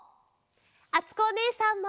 あつこおねえさんも。